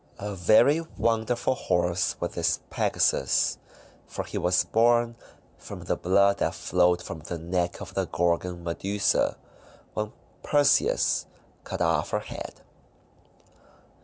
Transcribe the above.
A very wonderful horse was this Pegasus, for he was born from the blood that flowed from the neck of the Gorgon Medusa when Perseus cut off her head.